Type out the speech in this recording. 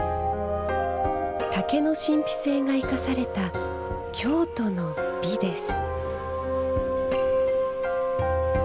竹の神秘性が生かされた京都の美です。